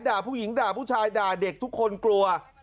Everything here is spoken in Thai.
ด่าผู้หญิงด่าผู้ชายด่าเด็กทุกคนกลัว